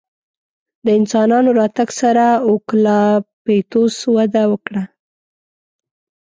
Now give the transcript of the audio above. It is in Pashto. د انسانانو راتګ سره اوکالیپتوس وده وکړه.